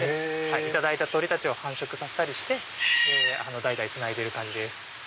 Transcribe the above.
頂いた鳥たちを繁殖させたりして代々つないでる感じです。